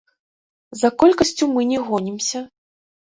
За колькасцю мы не гонімся.